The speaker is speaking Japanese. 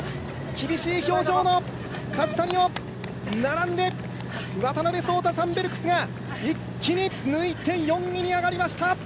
厳しい表情の梶谷を並んで、渡邉奏太、サンベルクスが一気に抜いて４位に上がりました！